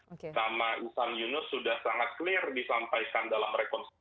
nama nisan yunus sudah sangat clear disampaikan dalam rekonstruksi